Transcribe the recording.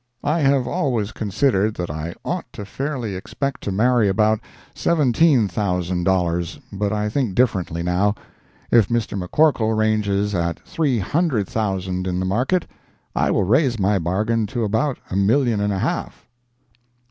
I have always considered that I ought to fairly expect to marry about seventeen thousand dollars, but I think differently now. If McCorkle ranges at three hundred thousand in the market, I will raise my margin to about a million and a half.